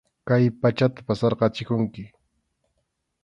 Kay pachata pasarqachikunki.